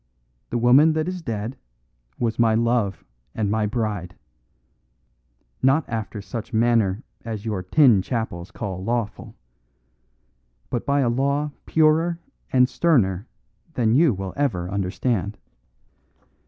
The woman that is dead was my love and my bride; not after such manner as your tin chapels call lawful, but by a law purer and sterner than you will ever understand.